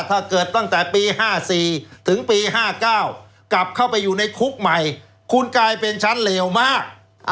ตั้งแต่ปี๕๔ถึงปี๕๙กลับเข้าไปอยู่ในคุกใหม่คุณกลายเป็นชั้นเลวมาก